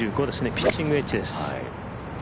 ピッチングウェッジです。